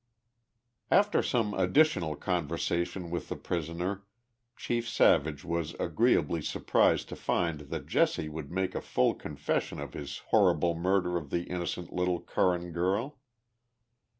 After some additional conversation with the prisoner Chief Savage was agreeably surprised to find that Jesse would make a full confession of his horrible murder of the innocent little Curran girl.